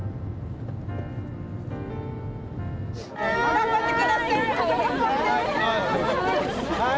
・頑張って下さい！